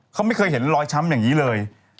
เขาไม่เคยเห็นรอยช้ำอย่างนี้เลย